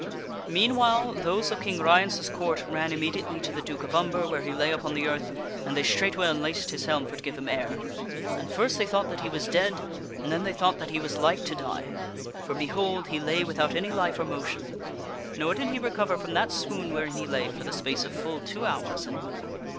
Meanwhile, those of King Ryence's Court ran immediately to the Duke of Umber where he lay upon the earth, and they straightway unlaced his helm for to give him air. And first they thought that he was dead, and then they thought that he was like to die ; for, behold ! he lay without any life or motion. Nor did he recover from that swoon wherein he lay for the space of full two hours and more.